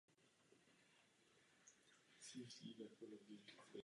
Je považována za jednoho z historicky prvních programátorů.